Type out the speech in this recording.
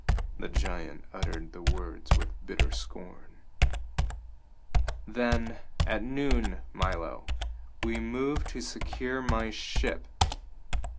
The giant uttered the words with bitter scorn. "Then, at noon, Milo, we move to secure my ship!"